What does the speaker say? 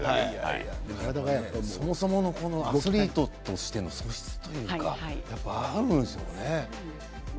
そもそもアスリートとしての素質というかあるんですね。